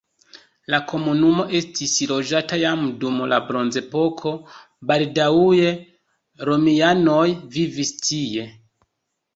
La komunumo estis loĝata jam dum la bronzepoko, baldaŭe romianoj vivis tie.